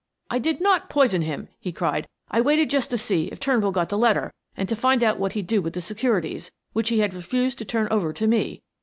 "I did not poison him," he cried. "I waited just to see if Turnbull got the letter and to find out what he'd do with the securities, which he had refused to turn over to me.